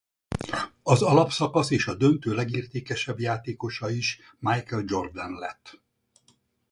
Az alapszakasz és a döntő legértékesebb játékosa is Michael Jordan lett.